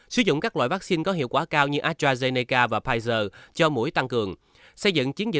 sử dụng các loại vaccine có hiệu quả cao như astrazeneca và pfizer cho mũi tăng cường